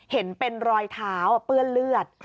เห็นเป็นรอยเท้าเปื้อนเลือด